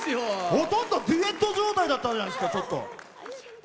ほとんどデュエット状態だったじゃないですか！